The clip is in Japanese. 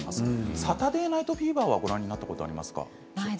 「サタデー・ナイト・フィーバー」ご覧になったことありますか。